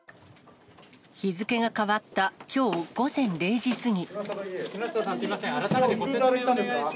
日付が変わったきょう午前０時過ぎ。